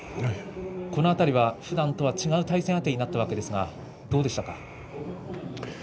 この辺りはふだんとは違う対戦相手となりましたけどどうでしたか？